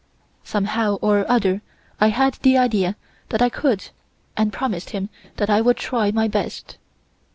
Somehow or other I had the idea that I could and promised him that I would try my best.